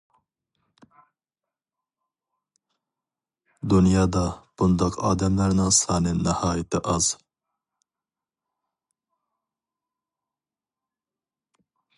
دۇنيادا بۇنداق ئادەملەرنىڭ سانى ناھايىتى ئاز.